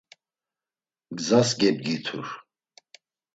Gzas gebdgitur.